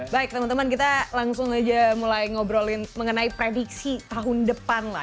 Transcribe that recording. baik teman teman kita langsung aja mulai ngobrolin mengenai prediksi tahun depan lah